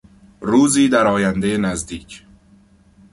روزی در آیندهی نزدیک